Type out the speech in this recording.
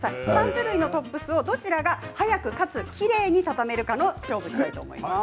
３種類のトップスをどちらが早くかつきれいに畳めるか勝負したいと思います。